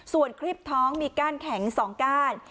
ส่วนครีบท้องมีก้านแข็ง๒ก้าน